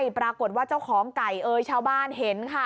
ปรากฏว่าเจ้าของไก่เอ่ยชาวบ้านเห็นค่ะ